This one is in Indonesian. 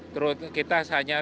terus kita hanya